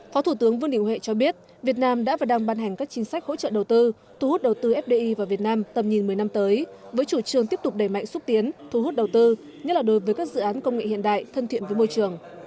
phó thủ tướng vương đình huệ cho biết việt nam đã và đang ban hành các chính sách hỗ trợ đầu tư thu hút đầu tư fdi vào việt nam tầm nhìn một mươi năm tới với chủ trương tiếp tục đẩy mạnh xúc tiến thu hút đầu tư nhất là đối với các dự án công nghệ hiện đại thân thiện với môi trường